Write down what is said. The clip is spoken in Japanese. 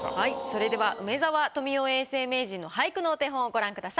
それでは梅沢富美男永世名人の俳句のお手本をご覧ください。